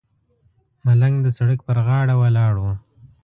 ملنګ د سړک پر غاړه ولاړ و.